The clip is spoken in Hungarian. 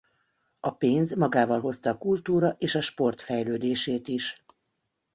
A pénz magával hozta a kultúra és a sport fejlődését is.